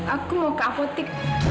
aku mau ke apotek